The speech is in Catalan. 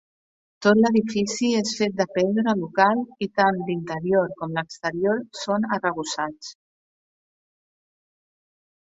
Tot l'edifici és fet de pedra local i tant l'interior com l'exterior són arrebossats.